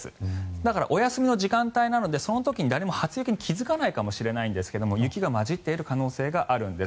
だからお休みの時間帯なのでその時に誰も初雪に気付かないかもしれないですが雪が交じっている可能性があるんです。